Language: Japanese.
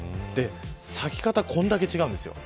咲き方、これだけ違うんですよ。